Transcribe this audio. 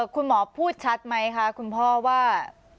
คุณหมอพูดชัดไหมคะคุณพ่อว่า